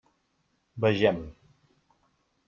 Vegem-ho.